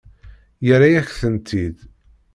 Yerra-yak-tent-id.